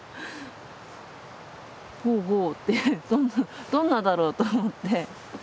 ほうほうってどんなだろうと思って。